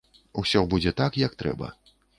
Усё будзе так, як трэба.